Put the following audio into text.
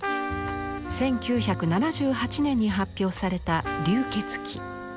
１９７８年に発表された「流血鬼」。